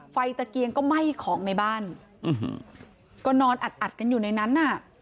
ตะเกียงก็ไหม้ของในบ้านก็นอนอัดอัดกันอยู่ในนั้นน่ะ